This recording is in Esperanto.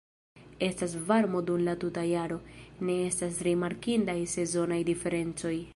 Estas varmo dum la tuta jaro, ne estas rimarkindaj sezonaj diferencoj.